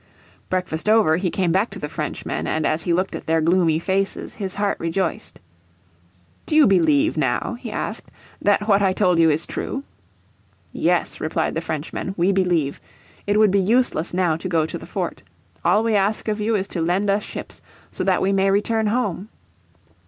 Breakfast over he came back to the Frenchmen, and as he looked at their gloomy faces his heart rejoiced. "Do you believe now," he asked, "that what I told you is true?" "Yes," replied the Frenchmen, "we believe. It would be useless now to go to the fort. All we ask of you is to lend us ships so that we may return home."